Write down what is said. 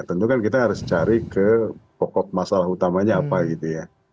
tentu kan kita harus cari ke pokok masalah utamanya apa gitu ya